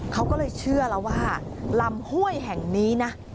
เขาก็เลยเชื่อแล้วว่าลำห้วยแห่งนี้นะ